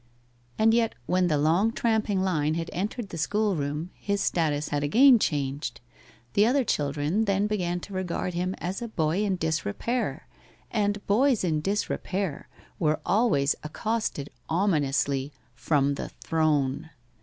And yet when the long tramping line had entered the school room his status had again changed. The other children then began to regard him as a boy in disrepair, and boys in disrepair were always accosted ominously from the throne.